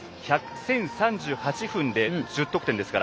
１０８０分で１０得点ですから。